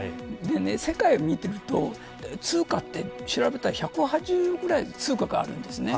世界を見てみると通貨は調べたら１８０ぐらい通貨があるんですね。